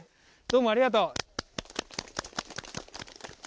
どうもありがとう。